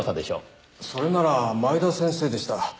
それなら前田先生でした。